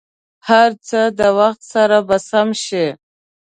هر څه د وخت سره به سم شي.